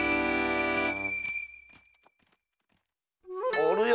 おるよ